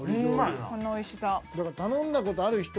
このおいしさ。